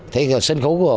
thế thì sân khấu của